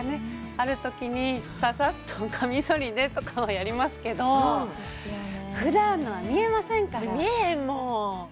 ある時にササッとカミソリでとかはやりますけど普段のは見えませんから見えへんもん